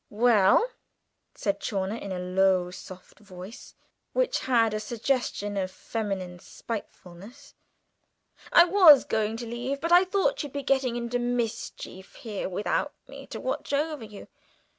"Well," said Chawner, in a low, soft voice, which had a suggestion of feminine spitefulness, "I was going to leave, but I thought you'd be getting into mischief here without me to watch over you.